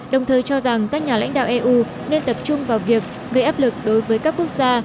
đồng thời cho rằng các nhà lãnh đạo eu nên tập trung vào việc gây áp lực đối với các quốc gia